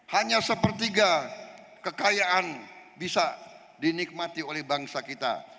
hanya sepertiga kekayaan bisa dinikmati oleh bangsa kita